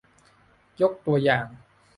ยกตัวอย่าง